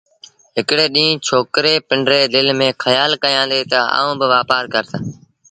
هڪڙي ڏيݩهݩ ڇوڪري پنڊريٚ دل ميݩ کيآل ڪيآݩدي تا آئوݩ با وآپآر ڪرس